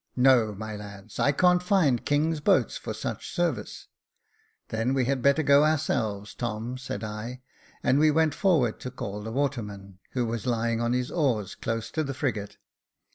" No, my lads, I can't find king's boats for such service." " Then we had better go ourselves, Tom," said I, and we went forward to call the waterman, who was lying on his oars close to the frigate.